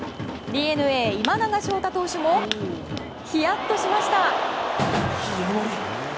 ＤｅＮＡ、今永昇太投手もヒヤッとしました！